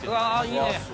いいね。